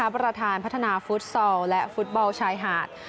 ประธานพัฒนาฟุตซอลและฟุตบอลชายหาด